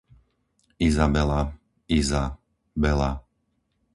Izabela, Iza, Bela